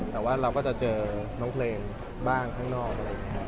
แต่ว่าเราก็จะเจอน้องเพลงบ้างข้างนอกอะไรอย่างนี้ครับ